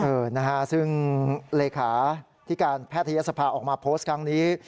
เออนะฮะซึ่งเลขาที่การแพทยศภาออกมาโพสต์ครั้งนี้